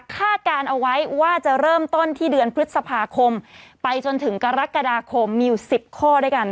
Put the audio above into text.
การเอาไว้ว่าจะเริ่มต้นที่เดือนพฤษภาคมไปจนถึงกรกฎาคมมีอยู่๑๐ข้อด้วยกัน